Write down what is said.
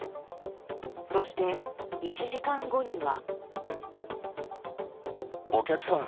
そして、１時間後には。